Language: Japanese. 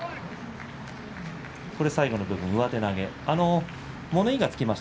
最後の部分、上手投げです。